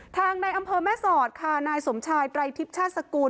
ในอำเภอแม่สอดค่ะนายสมชายไตรทิพย์ชาติสกุล